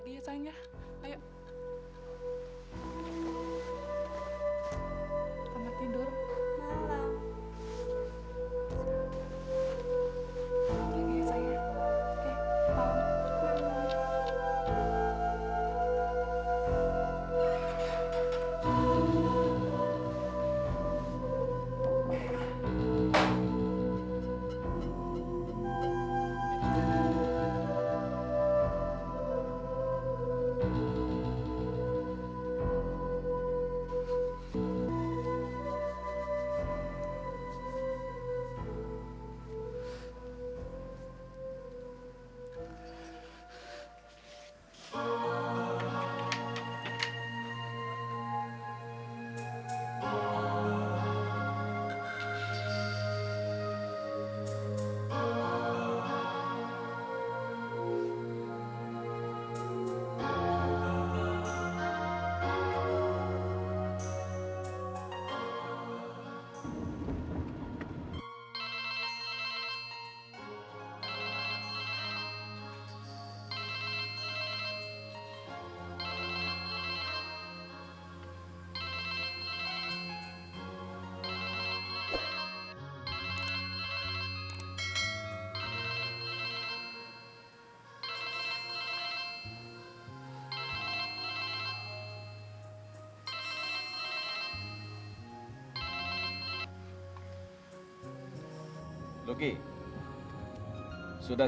tante apa yang ada di rumah